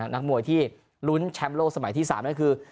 นักมวยที่ลุ้นแชมป์โลกสมัยที่๓นั่นคือ